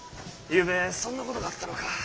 ゆうべそんなことがあったのか。